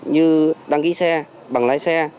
như đăng ký xe bằng lái xe